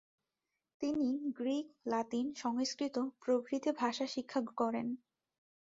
তিনি Greek, Latin, Sanskrit প্রভৃতি ভাষা শিক্ষা করেন।